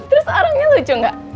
terus orangnya lucu gak